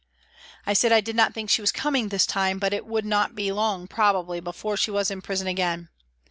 I said I did not think she was coming this time, but it would not be long probably before she was in prison again.